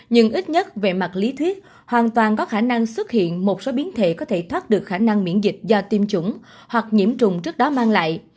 nhưng ít nhất về mặt lý thuyết hoàn toàn có khả năng xuất hiện một số biến thể có thể thoát được khả năng miễn dịch do tiêm chủng hoặc nhiễm trùng trước đó mang lại